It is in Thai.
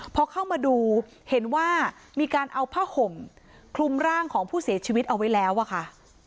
พอเข้ามาดูเห็นว่ามีการเอาผ้าห่มคลุมร่างของผู้เสียชีวิตเอาไว้แล้วอะค่ะ